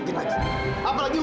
terserah apa kata lo